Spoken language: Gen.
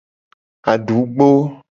Adugbo.